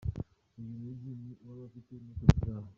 Uyu Mujyi ni uw’abafite imodoka zabo”.